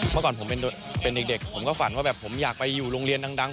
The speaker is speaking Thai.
เมื่อก่อนผมเป็นเด็กผมก็ฝันว่าแบบผมอยากไปอยู่โรงเรียนดัง